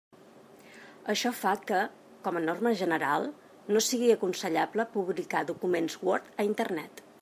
Això fa que, com a norma general, no sigui aconsellable publicar documents Word a Internet.